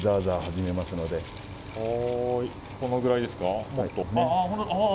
このぐらいですか。